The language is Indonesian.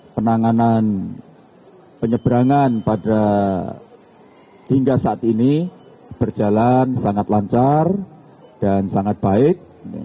penanganan penyebrangan pada hingga saat ini berjalan sangat lancar dan sangat baik